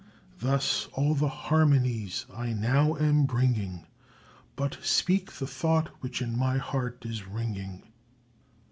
Thus all the harmonies I now am bringing But speak the thought which in my heart is ringing."